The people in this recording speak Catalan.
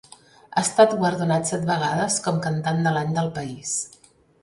Ha estat guardonat set vegades com "Cantant de l'Any" del país.